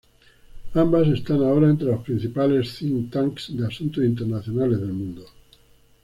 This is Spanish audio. Ambas están ahora entre los principales think tanks de asuntos internacionales del mundo.